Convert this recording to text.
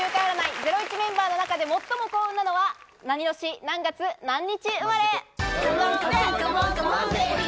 ゼロイチメンバーの中で最も幸運なのは何年何月何日生まれ？